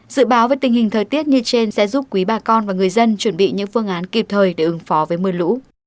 dự báo về tình hình thời tiết như trên sẽ giúp quý bà con và người dân chuẩn bị những phương án kịp thời để ứng phó với mưa lũ